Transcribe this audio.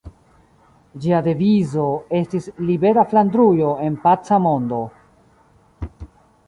Ĝia devizo estis "Libera Flandrujo en paca mondo".